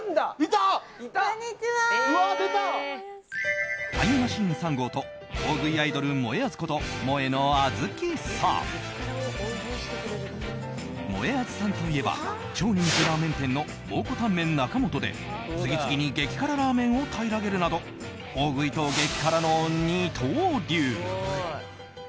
タイムマシーン３号と大食いアイドルもえあずこともえのあずきさん。もえあずさんといえば超人気ラーメン店の蒙古タンメン中本で次々に激辛ラーメンを平らげるなど大食いと激辛の二刀流。